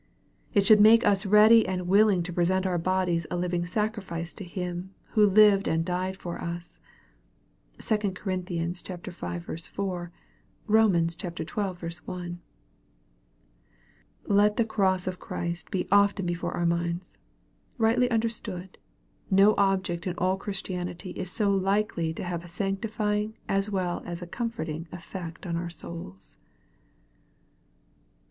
It should make us ready and willing to present our bodies a liv ing sacrifice to Him who lived and died for us. (2 Cor. v. 4. Rom xii. 1.) Let the cross of Christ be often be fore our minds. Eightly understood, no object in all Christianity is so likely to have a sanctifying as well as a comforting effect on our souls.